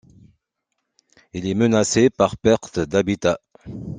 Il est menacé par perte d'habitats.